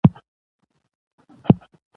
احمدشاه بابا به د سرتيرو ښيګڼه مهمه ګڼله.